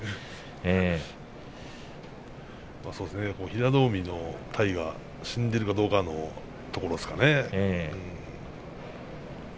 平戸海の体が死んでいるかどうかのところですね。